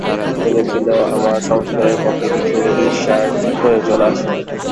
ভেবেছিলে আমার সংশোধনের পক্ষে কিছু ঈর্ষার প্রয়োজন আছে।